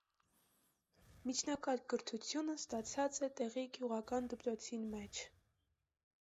Միջնակարգ կրթութիւնը ստացած է տեղի գիւղական դպրոցին մէջ։